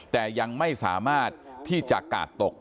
แต่ยังไม่สามารถที่จะกาดตก